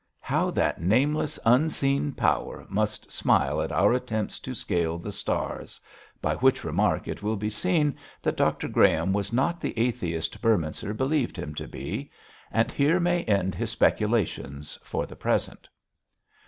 How that nameless Unseen Power must smile at our attempts to scale the stars,' by which remark it will be seen that Dr Graham was not the atheist Beorminster believed him to be. And here may end his speculations for the present.